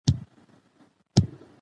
د کتاب متن په ساده ژبه لیکل سوی دی.